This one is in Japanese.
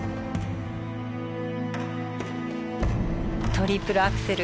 トリプルアクセル。